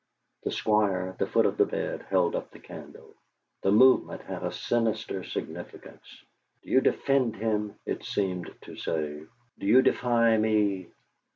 The Squire at the foot of the bed held up the candle; the movement had a sinister significance. "Do you defend him?" it seemed to say. "Do you defy me?"